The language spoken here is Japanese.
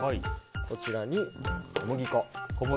こちらに小麦粉。